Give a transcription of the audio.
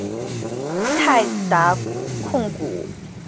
泰达控股的唯一股东为天津市人民政府国有资产监督管理委员会。